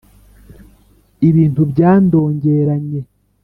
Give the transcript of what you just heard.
ibintu byandogeranye